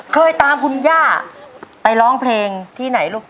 เคยตามคุณย่าไปร้องเพลงที่ไหนลูก